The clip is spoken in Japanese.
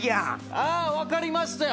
あぁ分かりましたよ！